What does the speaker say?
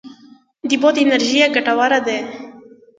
د باد انرژي هم ګټوره ده